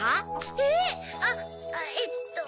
えっ⁉あっえっと。